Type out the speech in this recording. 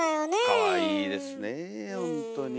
かわいいですねほんとに。